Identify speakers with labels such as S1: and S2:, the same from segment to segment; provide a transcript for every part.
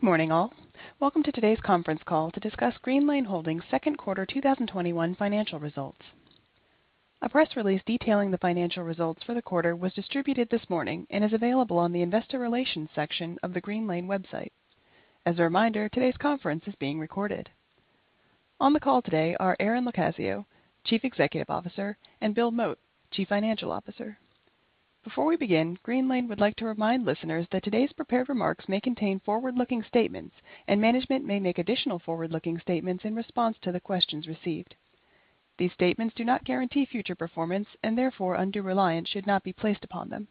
S1: Good morning, all. Welcome to today's conference call to discuss Greenlane Holdings' second Quarter 2021 Financial Results. A press release detailing the financial results for the quarter was distributed this morning and is available on the investor relations section of the Greenlane website. As a reminder, today's conference is being recorded. On the call today are Aaron LoCascio, Chief Executive Officer, and Bill Mote, Chief Financial Officer. Before we begin, Greenlane would like to remind listeners that today's prepared remarks may contain forward-looking statements, and management may make additional forward-looking statements in response to the questions received. These statements do not guarantee future performance, and therefore, undue reliance should not be placed upon them.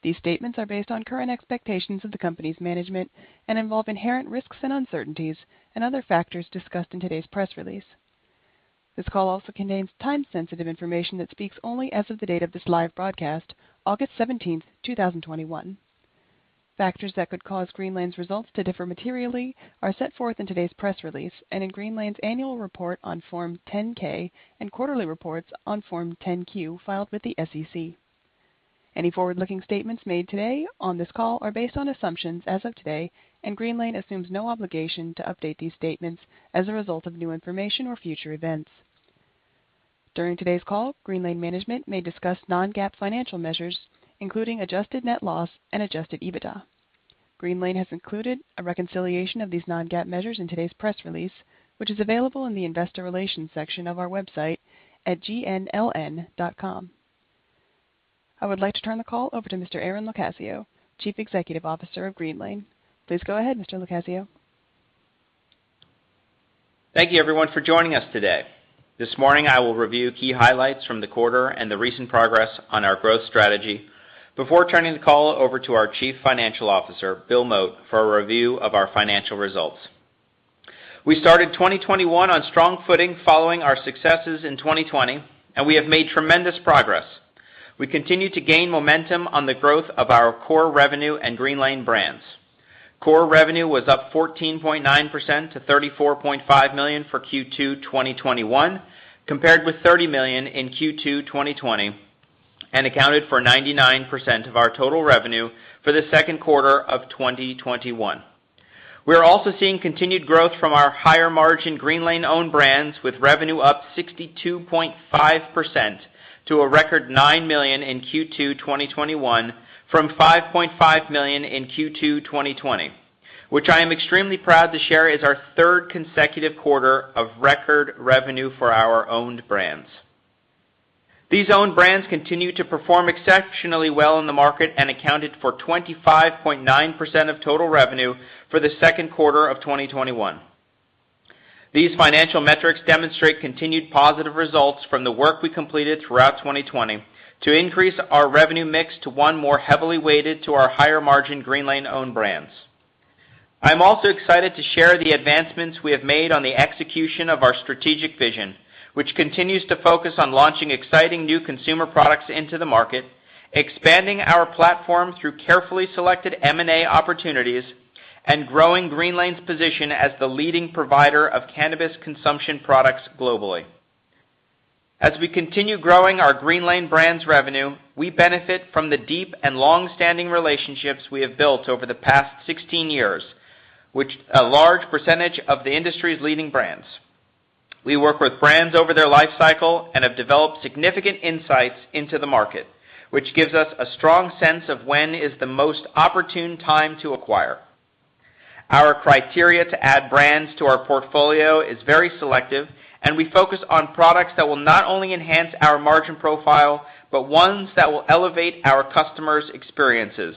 S1: These statements are based on current expectations of the company's management and involve inherent risks and uncertainties and other factors discussed in today's press release. This call also contains time-sensitive information that speaks only as of the date of this live broadcast, August 17th, 2021. Factors that could cause Greenlane's results to differ materially are set forth in today's press release and in Greenlane's annual report on Form 10-K and quarterly reports on Form 10-Q filed with the SEC. Any forward-looking statements made today on this call are based on assumptions as of today, and Greenlane assumes no obligation to update these statements as a result of new information or future events. During today's call, Greenlane management may discuss non-GAAP financial measures, including adjusted net loss and adjusted EBITDA. Greenlane has included a reconciliation of these non-GAAP measures in today's press release, which is available in the investor relations section of our website at gnln.com. I would like to turn the call over to Mr. Aaron LoCascio, Chief Executive Officer of Greenlane. Please go ahead, Mr. LoCascio.
S2: Thank you, everyone, for joining us today. This morning, I will review key highlights from the quarter and the recent progress on our growth strategy before turning the call over to our Chief Financial Officer, Bill Mote, for a review of our financial results. We started 2021 on strong footing following our successes in 2020, and we have made tremendous progress. We continue to gain momentum on the growth of our core revenue and Greenlane brands. Core revenue was up 14.9% - $34.5 million for Q2 2021, compared with $30 million in Q2 2020, and accounted for 99% of our total revenue for the second quarter of 2021. We are also seeing continued growth from our higher-margin Greenlane-owned brands, with revenue up 62.5% to a record $9 million in Q2 2021 from $5.5 million in Q2 2020, which I am extremely proud to share is our third consecutive quarter of record revenue for our owned brands. These owned brands continue to perform exceptionally well in the market and accounted for 25.9% of total revenue for the second quarter of 2021. These financial metrics demonstrate continued positive results from the work we completed throughout 2020 to increase our revenue mix to one more heavily weighted to our higher-margin Greenlane-owned brands. I'm also excited to share the advancements we have made on the execution of our strategic vision, which continues to focus on launching exciting new consumer products into the market, expanding our platform through carefully selected M&A opportunities, and growing Greenlane's position as the leading provider of cannabis consumption products globally. As we continue growing our Greenlane brands revenue, we benefit from the deep and longstanding relationships we have built over the past 16 years, which a large percentage of the industry's leading brands. We work with brands over their lifecycle and have developed significant insights into the market, which gives us a strong sense of when is the most opportune time to acquire. Our criteria to add brands to our portfolio is very selective, and we focus on products that will not only enhance our margin profile, but ones that will elevate our customers' experiences,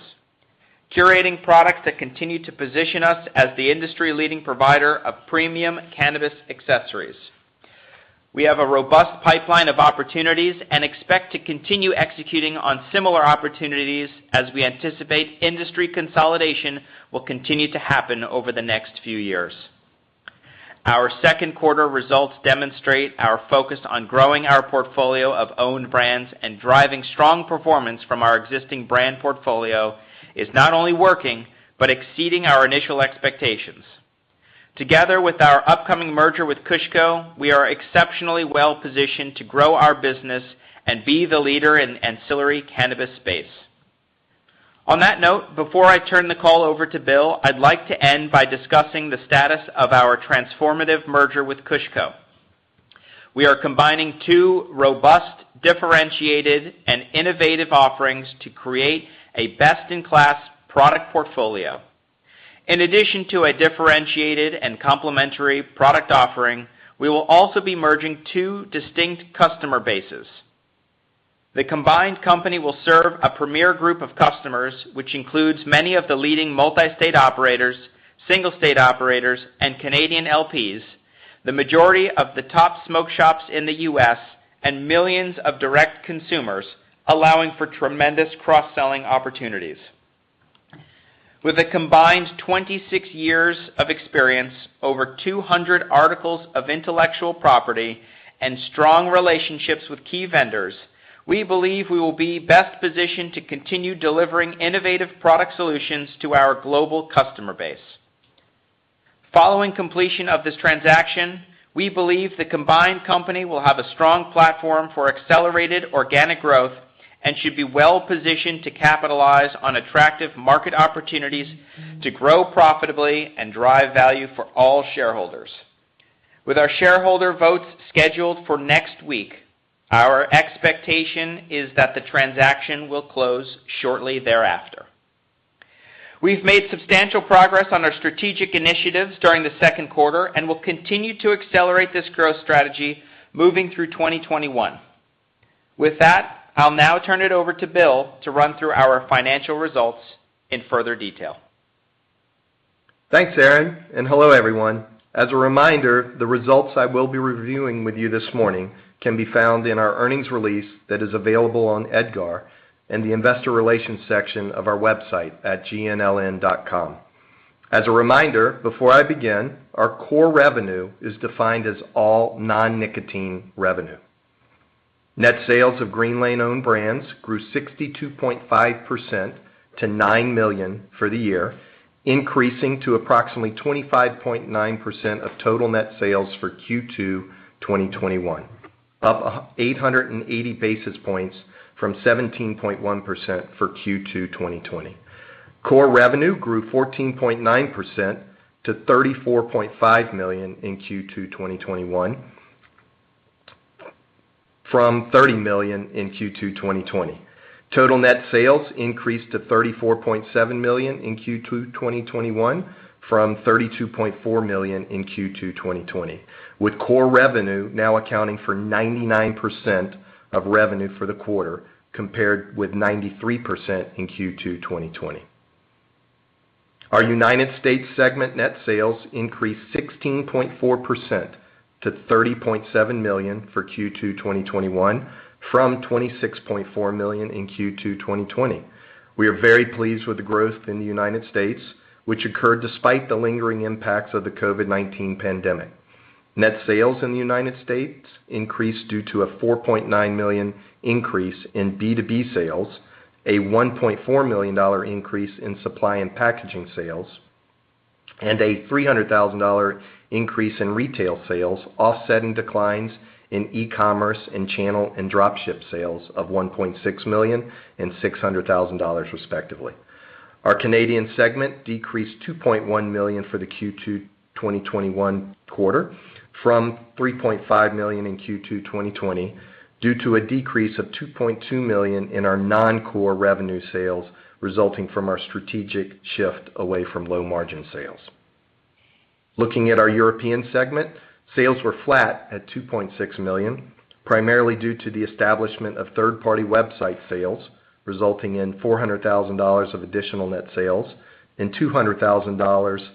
S2: curating products that continue to position us as the industry-leading provider of premium cannabis accessories. We have a robust pipeline of opportunities and expect to continue executing on similar opportunities as we anticipate industry consolidation will continue to happen over the next few years. Our second quarter results demonstrate our focus on growing our portfolio of owned brands and driving strong performance from our existing brand portfolio is not only working, but exceeding our initial expectations. Together with our upcoming merger with KushCo, we are exceptionally well-positioned to grow our business and be the leader in ancillary cannabis space. On that note, before I turn the call over to Bill, I'd like to end by discussing the status of our transformative merger with KushCo. We are combining two robust, differentiated, and innovative offerings to create a best-in-class product portfolio. In addition to a differentiated and complementary product offering, we will also be merging two distinct customer bases. The combined company will serve a premier group of customers, which includes many of the leading multi-state operators, single-state operators, and Canadian LPs, the majority of the top smoke shops in the U.S., and millions of direct consumers, allowing for tremendous cross-selling opportunities. With a combined 26 years of experience, over 200 articles of intellectual property, and strong relationships with key vendors, we believe we will be best positioned to continue delivering innovative product solutions to our global customer base. Following completion of this transaction, we believe the combined company will have a strong platform for accelerated organic growth and should be well-positioned to capitalize on attractive market opportunities to grow profitably and drive value for all shareholders. With our shareholder votes scheduled for next week, our expectation is that the transaction will close shortly thereafter. We've made substantial progress on our strategic initiatives during the second quarter and will continue to accelerate this growth strategy moving through 2021. With that, I'll now turn it over to Bill to run through our financial results in further detail.
S3: Thanks, Aaron, and hello, everyone. As a reminder, the results I will be reviewing with you this morning can be found in our earnings release that is available on EDGAR in the investor relations section of our website at gnln.com. As a reminder, before I begin, our core revenue is defined as all non-nicotine revenue. Net sales of Greenlane-owned brands grew 62.5% to $9 million for the year, increasing to approximately 25.9% of total net sales for Q2 2021, up 880 basis points from 17.1% for Q2 2020. Core revenue grew 14.9% to $34.5 million in Q2 2021, from $30 million in Q2 2020. Total net sales increased to $34.7 million in Q2 2021 from $32.4 million in Q2 2020, with core revenue now accounting for 99% of revenue for the quarter, compared with 93% in Q2 2020. Our U.S. segment net sales increased 16.4% to $30.7 million for Q2 2021 from $26.4 million in Q2 2020. We are very pleased with the growth in the U.S., which occurred despite the lingering impacts of the COVID-19 pandemic. Net sales in the U.S. increased due to a $4.9 million increase in B2B sales, a $1.4 million increase in supply and packaging sales, and a $300,000 increase in retail sales, offsetting declines in e-commerce and channel and drop ship sales of $1.6 million and $600,000, respectively. Our Canadian segment decreased $2.1 million for the Q2 2021 quarter from $3.5 million in Q2 2020 due to a decrease of $2.2 million in our non-core revenue sales resulting from our strategic shift away from low-margin sales. Looking at our European segment, sales were flat at $2.6 million, primarily due to the establishment of third-party website sales, resulting in $400,000 of additional net sales and $200,000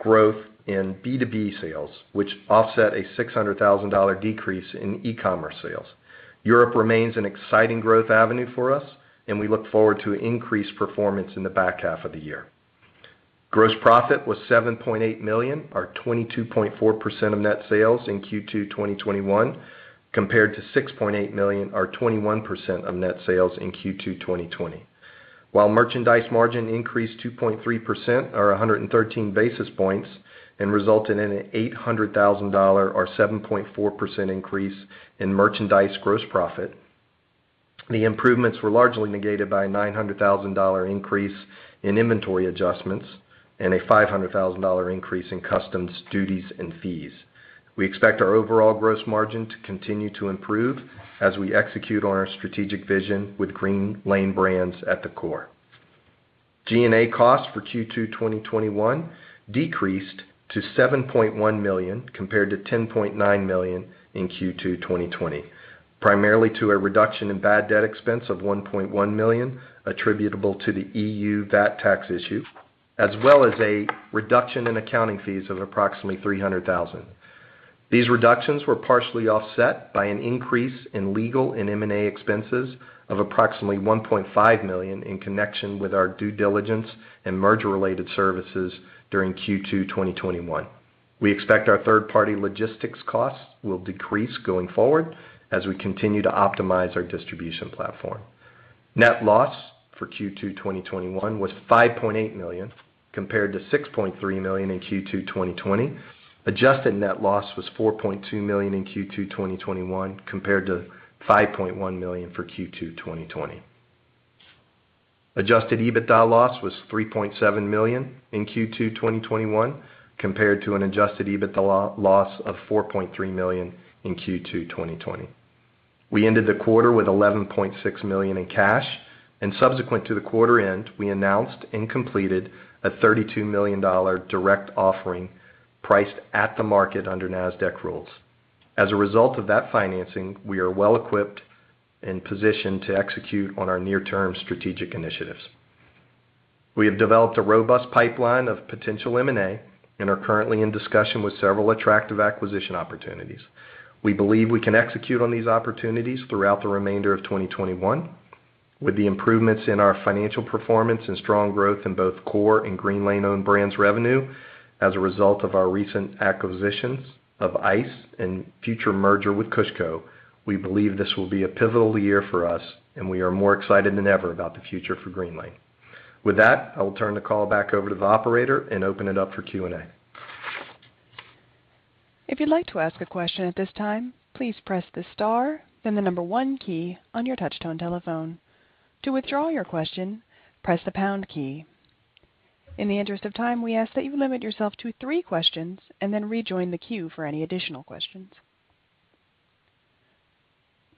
S3: growth in B2B sales, which offset a $600,000 decrease in e-commerce sales. Europe remains an exciting growth avenue for us, and we look forward to increased performance in the back half of the year. Gross profit was $7.8 million, or 22.4% of net sales in Q2 2021, compared to $6.8 million or 21% of net sales in Q2 2020. While merchandise margin increased 2.3% or 113 basis points and resulted in an $800,000 or 7.4% increase in merchandise gross profit, the improvements were largely negated by a $900,000 increase in inventory adjustments and a $500,000 increase in customs duties and fees. We expect our overall gross margin to continue to improve as we execute on our strategic vision with Greenlane brands at the core. G&A costs for Q2 2021 decreased to $7.1 million, compared to $10.9 million in Q2 2020, primarily to a reduction in bad debt expense of $1.1 million attributable to the EU VAT tax issue, as well as a reduction in accounting fees of approximately $300,000. These reductions were partially offset by an increase in legal and M&A expenses of approximately $1.5 million in connection with our due diligence and merger-related services during Q2 2021. We expect our third-party logistics costs will decrease going forward as we continue to optimize our distribution platform. Net loss for Q2 2021 was $5.8 million, compared to $6.3 million in Q2 2020. Adjusted net loss was $4.2 million in Q2 2021 compared to $5.1 million for Q2 2020. Adjusted EBITDA loss was $3.7 million in Q2 2021 compared to an adjusted EBITDA loss of $4.3 million in Q2 2020. We ended the quarter with $11.6 million in cash, and subsequent to the quarter end, we announced and completed a $32 million direct offering priced at the market under Nasdaq rules. As a result of that financing, we are well equipped and positioned to execute on our near-term strategic initiatives. We have developed a robust pipeline of potential M&A and are currently in discussion with several attractive acquisition opportunities. We believe we can execute on these opportunities throughout the remainder of 2021 with the improvements in our financial performance and strong growth in both core and Greenlane-owned brands revenue. As a result of our recent acquisitions of Eyce and future merger with KushCo, we believe this will be a pivotal year for us, and we are more excited than ever about the future for Greenlane. With that, I will turn the call back over to the operator and open it up for Q&A.
S1: If you'd like to ask a question at this time, please press the star, then the number 1 key on your touch-tone telephone. To withdraw your question, press the pound key. In the interest of time, we ask that you limit yourself to three questions and then rejoin the queue for any additional questions.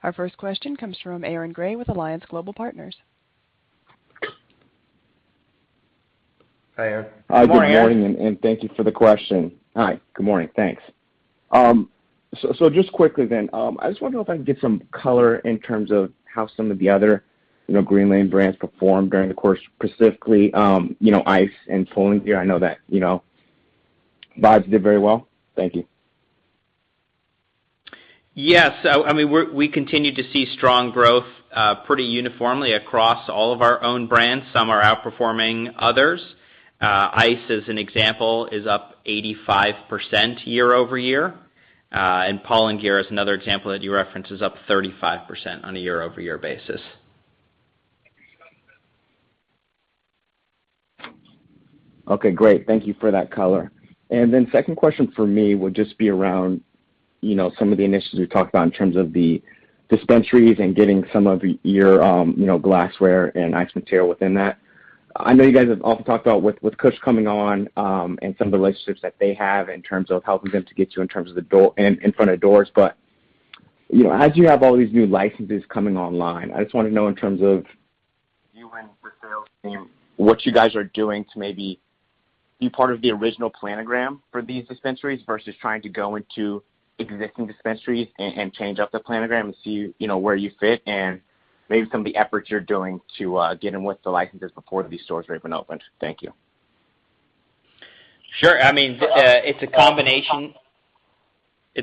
S1: Our first question comes from Aaron Grey with Alliance Global Partners.
S3: Hi, Aaron.
S2: Good morning, Aaron.
S4: Hi, good morning, and thank you for the question. Hi. Good morning. Thanks. Just quickly then, I was wondering if I can get some color in terms of how some of the other Greenlane brands performed during the course, specifically Eyce and Pollen Gear. I know that VIBES did very well. Thank you.
S2: Yes. We continue to see strong growth pretty uniformly across all of our own brands. Some are outperforming others. Eyce, as an example, is up 85% year-over-year. Pollen Gear is another example that you referenced, is up 35% on a year-over-year basis.
S4: Okay, great. Thank you for that color. Then second question for me would just be around some of the initiatives we talked about in terms of the dispensaries and getting some of your glassware and Eyce material within that. I know you guys have also talked about with KushCo coming on, and some of the relationships that they have in terms of helping them to get you in front of doors. As you have all these new licenses coming online, I just want to know in terms of you and the sales team, what you guys are doing to maybe be part of the original planogram for these dispensaries versus trying to go into existing dispensaries and change up the planogram and see where you fit and maybe some of the efforts you're doing to get in with the licenses before these stores are even opened. Thank you.
S2: Sure. It's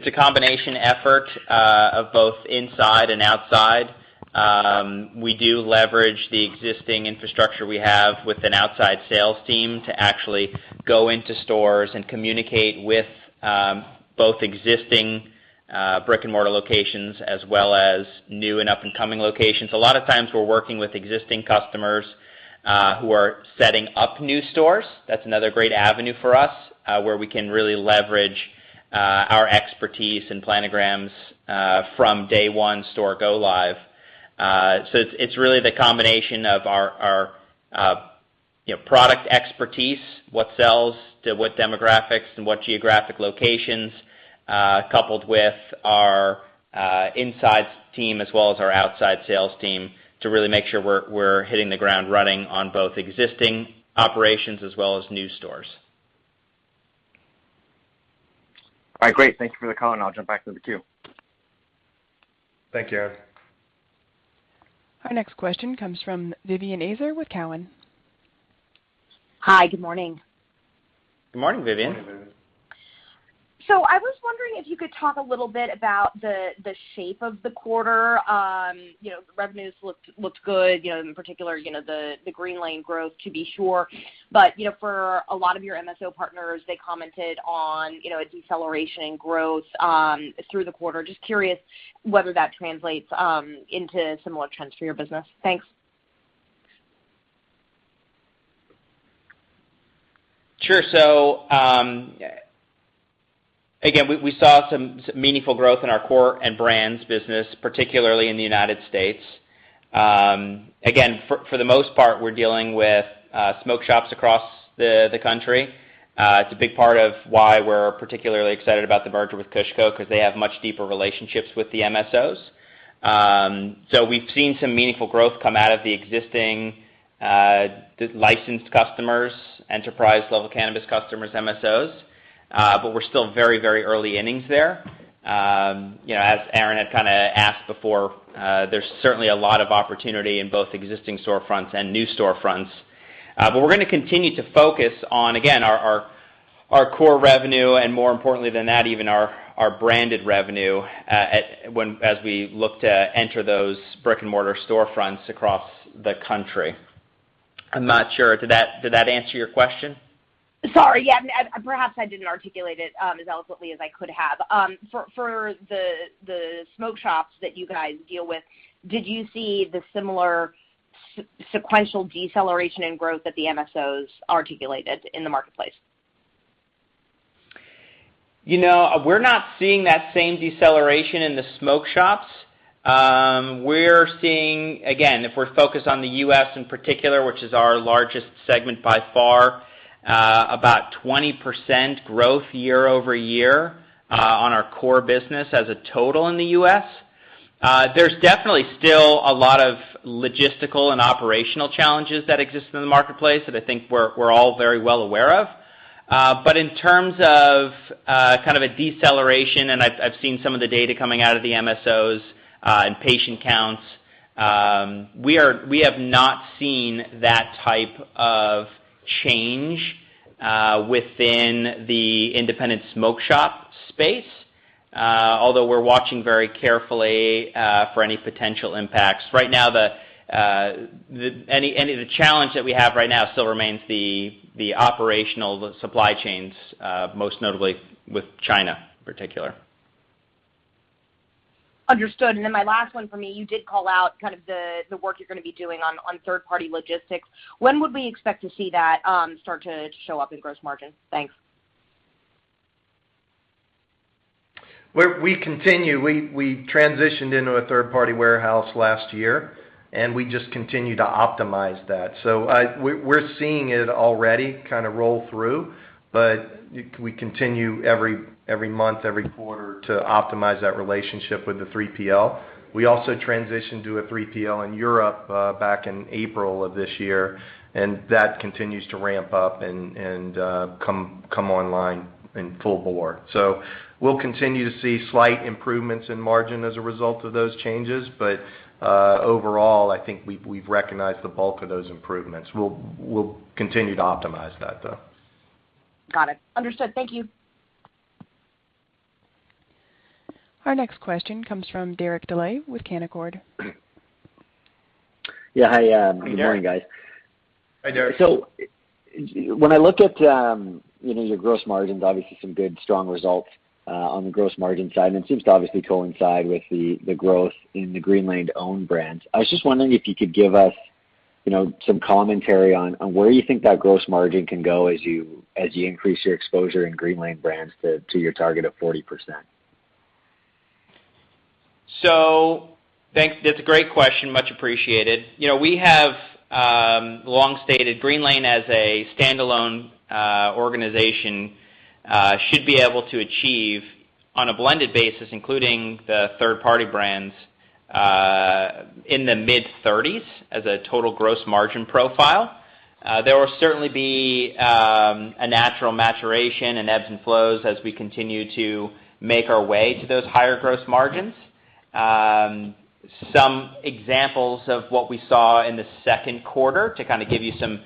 S2: a combination effort of both inside and outside. We do leverage the existing infrastructure we have with an outside sales team to actually go into stores and communicate with both existing brick-and-mortar locations as well as new and up-and-coming locations. A lot of times we're working with existing customers who are setting up new stores. That's another great avenue for us, where we can really leverage our expertise and planograms from day 1 store go live. It's really the combination of our product expertise, what sells to what demographics and what geographic locations, coupled with our inside team as well as our outside sales team to really make sure we're hitting the ground running on both existing operations as well as new stores.
S4: All right, great. Thank you for the call. I'll jump back to the queue.
S2: Thank you, Aaron.
S1: Our next question comes from Vivien Azer with Cowen.
S5: Hi, good morning.
S2: Good morning, Vivien.
S3: Morning, Vivien.
S5: I was wondering if you could talk a little bit about the shape of the quarter. Revenues looked good, in particular, the Greenlane growth to be sure. For a lot of your MSO partners, they commented on a deceleration in growth through the quarter. Just curious whether that translates into similar trends for your business. Thanks.
S2: Again, we saw some meaningful growth in our core and brands business, particularly in the United States. Again, for the most part, we're dealing with smoke shops across the country. It's a big part of why we're particularly excited about the merger with KushCo, because they have much deeper relationships with the MSOs. We've seen some meaningful growth come out of the existing licensed customers, enterprise-level cannabis customers, MSOs, but we're still very early innings there. As Aaron had kind of asked before, there's certainly a lot of opportunity in both existing storefronts and new storefronts. We're going to continue to focus on, again, our core revenue and more importantly than that, even our branded revenue as we look to enter those brick-and-mortar storefronts across the country. I'm not sure. Did that answer your question?
S5: Sorry. Yeah. Perhaps I didn't articulate it as eloquently as I could have. For the smoke shops that you guys deal with, did you see the similar sequential deceleration in growth that the MSOs articulated in the marketplace?
S2: We're not seeing that same deceleration in the smoke shops. We're seeing, again, if we're focused on the U.S. in particular, which is our largest segment by far, about 20% growth year-over-year on our core business as a total in the U.S. There's definitely still a lot of logistical and operational challenges that exist in the marketplace that I think we're all very well aware of. In terms of kind of a deceleration, and I've seen some of the data coming out of the MSOs in patient counts, we have not seen that type of change within the independent smoke shop space, although we're watching very carefully for any potential impacts. Right now, the challenge that we have right now still remains the operational supply chains, most notably with China in particular.
S5: Understood. My last one for me, you did call out the work you're going to be doing on third-party logistics. When would we expect to see that start to show up in gross margin? Thanks.
S3: We transitioned into a third-party warehouse last year, and we just continue to optimize that. We're seeing it already kind of roll through, but we continue every month, every quarter, to optimize that relationship with the 3PL. We also transitioned to a 3PL in Europe back in April of this year, and that continues to ramp up and come online in full bore. We'll continue to see slight improvements in margin as a result of those changes. Overall, I think we've recognized the bulk of those improvements. We'll continue to optimize that, though.
S5: Got it. Understood. Thank you.
S1: Our next question comes from Derek Dley with Canaccord.
S6: Yeah. Hi.
S3: Hey, Derek.
S6: Good morning, guys.
S3: Hi, Derek.
S6: When I look at your gross margins, obviously some good strong results on the gross margin side, and it seems to obviously coincide with the growth in the Greenlane-owned brands. I was just wondering if you could give us some commentary on where you think that gross margin can go as you increase your exposure in Greenlane brands to your target of 40%.
S2: Thanks. That's a great question. Much appreciated. We have long stated Greenlane, as a standalone organization, should be able to achieve on a blended basis, including the third-party brands, in the mid-30s as a total gross margin profile. There will certainly be a natural maturation and ebbs and flows as we continue to make our way to those higher gross margins. Some examples of what we saw in the second quarter to kind of give you some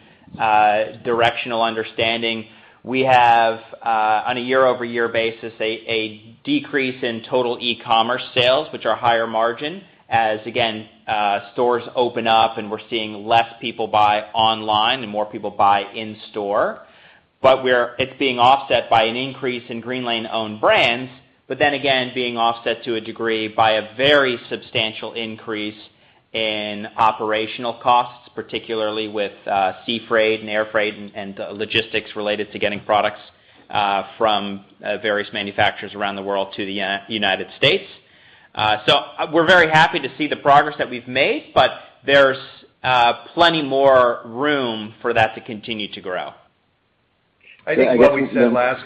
S2: directional understanding. We have, on a year-over-year basis, a decrease in total e-commerce sales, which are higher margin as, again, stores open up and we're seeing less people buy online and more people buy in store. It's being offset by an increase in Greenlane-owned brands, but then again being offset to a degree by a very substantial increase in operational costs, particularly with sea freight and air freight and logistics related to getting products from various manufacturers around the world to the United States. We're very happy to see the progress that we've made, but there's plenty more room for that to continue to grow.
S3: I think what we said last.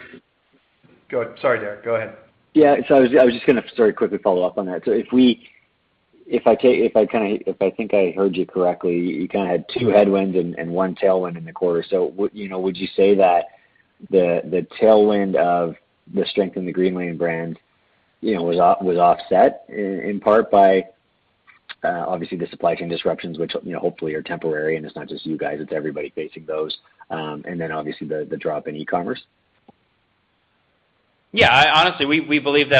S3: Sorry, Derek, go ahead.
S6: I was just going to very quickly follow up on that. If I think I heard you correctly, you kind of had 2 headwinds and 1 tailwind in the quarter. Would you say that the tailwind of the strength in the Greenlane brand was offset in part by, obviously, the supply chain disruptions, which hopefully are temporary, and it's not just you guys, it's everybody facing those, and then obviously the drop in e-commerce?
S2: Honestly, we believe the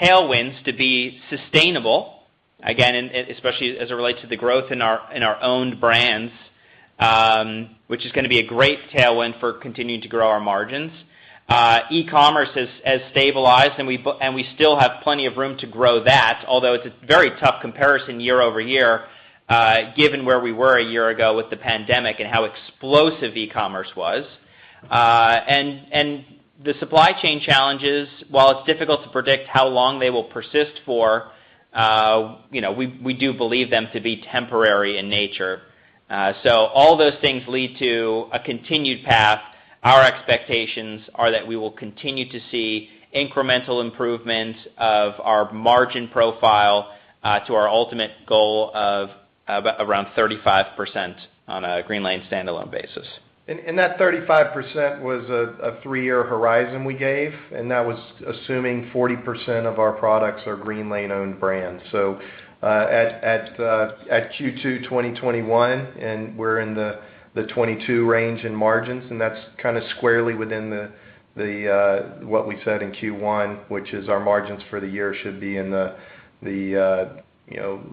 S2: tailwinds to be sustainable, again, especially as it relates to the growth in our owned brands, which is going to be a great tailwind for continuing to grow our margins. E-commerce has stabilized, we still have plenty of room to grow that, although it's a very tough comparison year-over-year, given where we were a year ago with the pandemic and how explosive e-commerce was. The supply chain challenges, while it's difficult to predict how long they will persist for, we do believe them to be temporary in nature. All those things lead to a continued path. Our expectations are that we will continue to see incremental improvements of our margin profile to our ultimate goal of around 35% on a Greenlane standalone basis.
S3: That 35% was a 3-year horizon we gave, and that was assuming 40% of our products are Greenlane-owned brands. At Q2 2021, and we're in the 22 range in margins, and that's kind of squarely within what we said in Q1, which is our margins for the year should be in the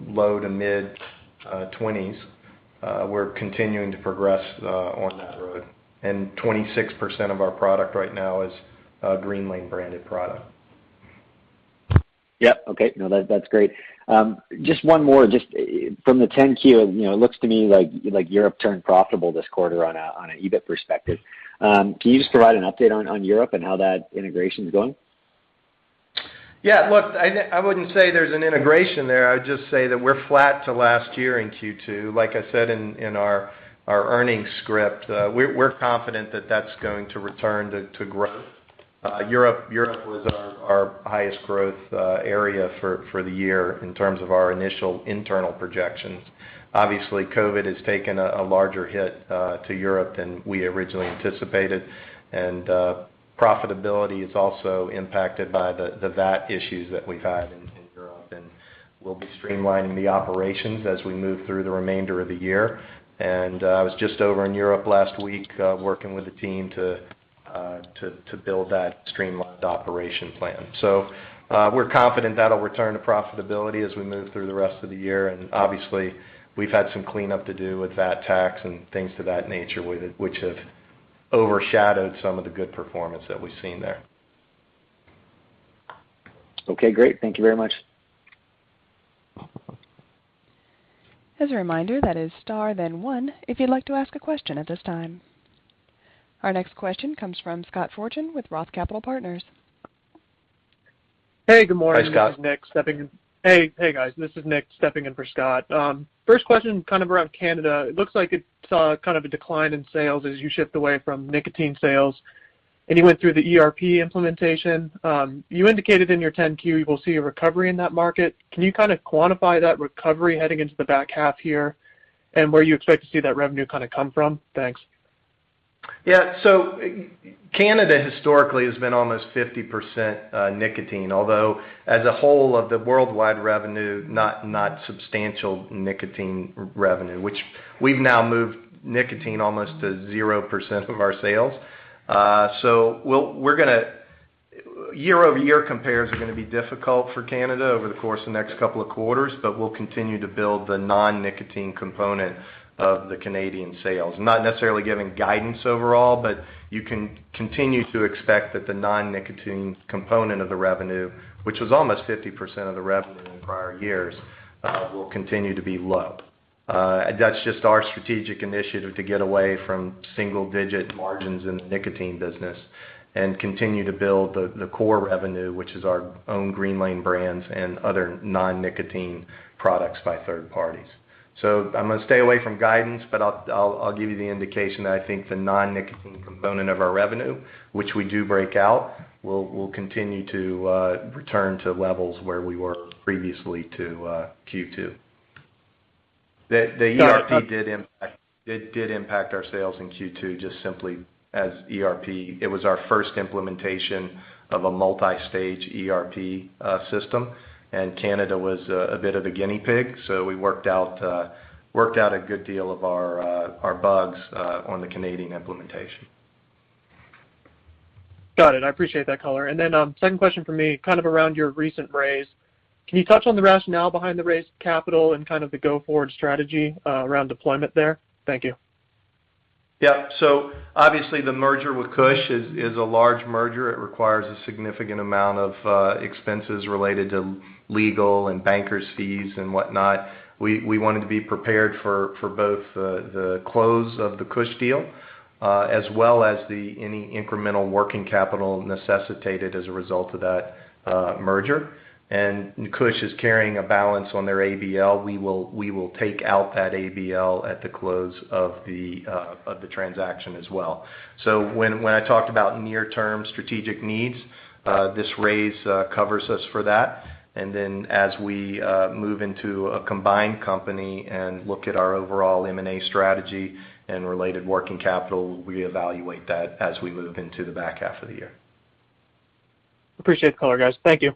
S3: low to mid-20s. We're continuing to progress on that road, and 26% of our product right now is a Greenlane branded product.
S6: Yeah. Okay. No, that's great. Just one more. Just from the 10-Q, it looks to me like Europe turned profitable this quarter on an EBIT perspective. Can you just provide an update on Europe and how that integration is going?
S3: Yeah, look, I wouldn't say there's an integration there. I would just say that we're flat to last year in Q2. Like I said in our earnings script, we're confident that that's going to return to growth. Europe was our highest growth area for the year in terms of our initial internal projections. Obviously, COVID has taken a larger hit to Europe than we originally anticipated, and profitability is also impacted by the VAT issues that we've had in Europe, and we'll be streamlining the operations as we move through the remainder of the year. I was just over in Europe last week, working with the team to build that streamlined operation plan. We're confident that'll return to profitability as we move through the rest of the year. Obviously, we've had some cleanup to do with VAT tax and things of that nature, which have overshadowed some of the good performance that we've seen there.
S6: Okay, great. Thank you very much.
S1: As a reminder, that is star then one if you'd like to ask a question at this time. Our next question comes from Scott Fortune with ROTH Capital Partners.
S7: Hey, good morning.
S3: Hi, Scott.
S7: This is Nick stepping in. Hey guys, this is Nick stepping in for Scott. First question around Canada. It looks like it saw a decline in sales as you shift away from nicotine sales, and you went through the ERP implementation. You indicated in your 10-Q you will see a recovery in that market. Can you quantify that recovery heading into the back half year and where you expect to see that revenue come from? Thanks.
S3: Yeah. Canada historically has been almost 50% nicotine, although as a whole of the worldwide revenue, not substantial nicotine revenue, which we've now moved nicotine almost to 0% of our sales. Year-over-year compares are going to be difficult for Canada over the course of the next couple of quarters, but we'll continue to build the non-nicotine component of the Canadian sales. Not necessarily giving guidance overall, but you can continue to expect that the non-nicotine component of the revenue, which was almost 50% of the revenue in prior years, will continue to be low. That's just our strategic initiative to get away from single-digit margins in the nicotine business and continue to build the core revenue, which is our own Greenlane brands and other non-nicotine products by third parties. I'm going to stay away from guidance, but I'll give you the indication that I think the non-nicotine component of our revenue, which we do break out, will continue to return to levels where we were previously to Q2. The ERP did impact our sales in Q2 just simply as ERP. It was our first implementation of a multi-stage ERP system, and Canada was a bit of a guinea pig. We worked out a good deal of our bugs on the Canadian implementation.
S7: Got it. I appreciate that color. Second question from me, around your recent raise. Can you touch on the rationale behind the raised capital and kind of the go-forward strategy around deployment there? Thank you.
S3: Yeah. Obviously the merger with KushCo is a large merger. It requires a significant amount of expenses related to legal and bankers' fees and whatnot. We wanted to be prepared for both the close of the KushCo deal as well as any incremental working capital necessitated as a result of that merger. KushCo is carrying a balance on their ABL. We will take out that ABL at the close of the transaction as well. When I talked about near-term strategic needs, this raise covers us for that. Then as we move into a combined company and look at our overall M&A strategy and related working capital, we evaluate that as we move into the back half of the year.
S7: Appreciate the color, guys. Thank you.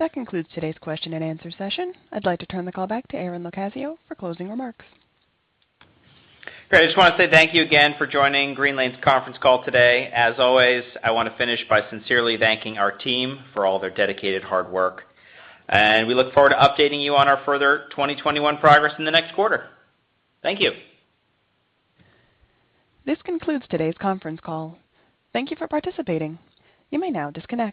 S1: That concludes today's question and answer session. I'd like to turn the call back to Aaron LoCascio for closing remarks.
S2: Great. I just want to say thank you again for joining Greenlane's conference call today. As always, I want to finish by sincerely thanking our team for all their dedicated hard work. We look forward to updating you on our further 2021 progress in the next quarter. Thank you.
S1: This concludes today's conference call. Thank you for participating. You may now disconnect.